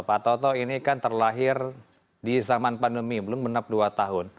pak toto ini kan terlahir di zaman pandemi belum menap dua tahun